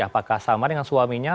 apakah sama dengan suaminya